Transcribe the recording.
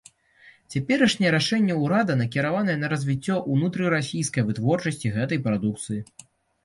Цяперашняе рашэнне ўрада накіраванае на развіццё ўнутрырасійскай вытворчасці гэтай прадукцыі.